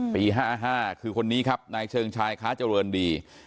ปี๕๕คือคนนี้ครับนายเชิงชายค้าเจริญดี